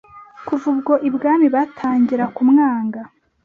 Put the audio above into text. Kuva ubwo ibwami batangira kumwanga,